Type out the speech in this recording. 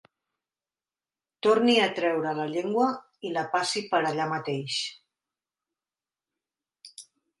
Torni a treure la llengua i la passi per allà mateix.